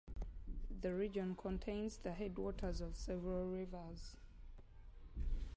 The region contains the headwaters of several rivers.